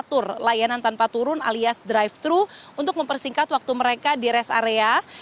diatur layanan tanpa turun alias drive thru untuk mempersingkat waktu mereka di rest area